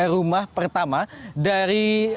rumah pertama dari